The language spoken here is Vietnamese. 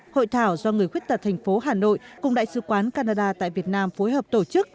hội thảo do người khuyết tật thành phố hà nội cùng đại sứ quán canada tại việt nam phối hợp tổ chức